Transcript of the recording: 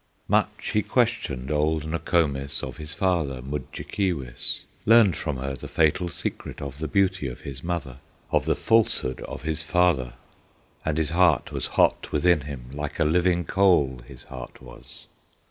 Much he questioned old Nokomis Of his father Mudjekeewis; Learned from her the fatal secret Of the beauty of his mother, Of the falsehood of his father; And his heart was hot within him, Like a living coal his heart was.